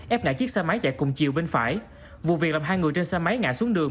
ép ngã chiếc xe máy chạy cùng chiều bên phải vụ việc làm hai người trên xe máy ngã xuống đường